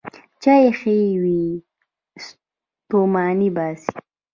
چای ښې وې، ستوماني باسي.